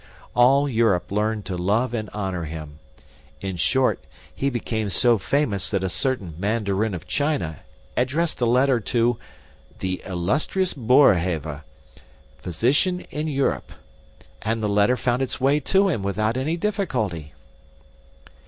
All Europe learned to love and honor him. In short, he became so famous that a certain mandarin of China addressed a letter to 'the illustrious Boerhaave, physician in Europe,' and the letter found its way to him without any difficulty."